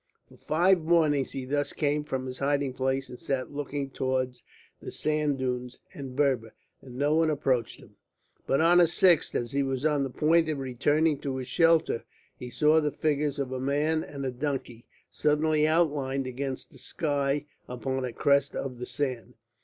For five mornings he thus came from his hiding place and sat looking toward the sand dunes and Berber, and no one approached him. But on the sixth, as he was on the point of returning to his shelter, he saw the figures of a man and a donkey suddenly outlined against the sky upon a crest of the sand.